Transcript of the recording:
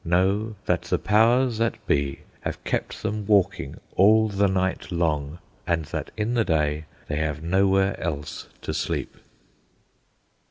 Know that the powers that be have kept them walking all the night long, and that in the day they have nowhere else to sleep.